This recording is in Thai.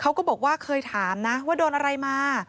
เขาก็บอกว่าเคยถามนะว่าโดนอะไรมา